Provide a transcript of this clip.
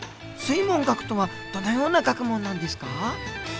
水文学とはどのような学問なんですか？